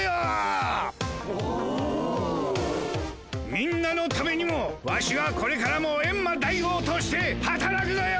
みんなのためにもワシはこれからもエンマ大王としてはたらくぞよ！